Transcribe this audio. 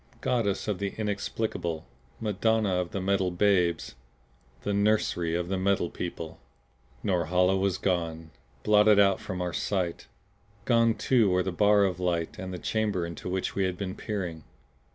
Goddess of the Inexplicable! Madonna of the Metal Babes! The Nursery of the Metal People! Norhala was gone, blotted out from our sight! Gone too were the bar of light and the chamber into which we had been peering.